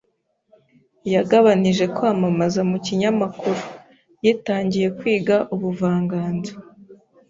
Yagabanije kwamamaza mu kinyamakuru. Yitangiye kwiga ubuvanganzo.